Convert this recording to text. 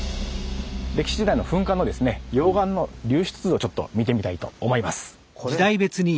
歴史時代の噴火のですねちょっと見てみたいと思います。